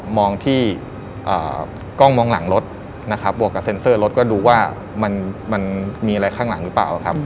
มองที่กล้องมองหลังรถนะครับบวกกับเซ็นเซอร์รถก็ดูว่ามันมีอะไรข้างหลังหรือเปล่าครับ